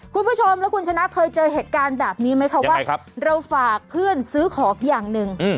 คุณผู้ชมแล้วคุณชนะเคยเจอเหตุการณ์แบบนี้ไหมคะว่าเราฝากเพื่อนซื้อของอย่างหนึ่ง